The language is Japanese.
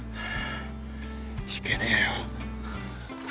引けねえよ。